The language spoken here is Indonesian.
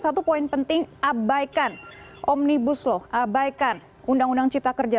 satu poin penting abaikan omnibus law abaikan undang undang cipta kerja